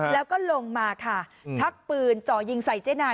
แล้วก็ลงมาค่ะชักปืนจ่อยิงใส่เจ๊นาย